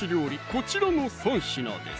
こちらの３品です